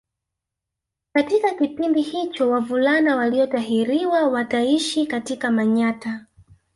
Katika kipindi hicho wavulana waliotahiriwa wataishi katika Manyatta